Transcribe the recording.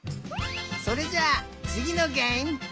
それじゃあつぎのげえむ！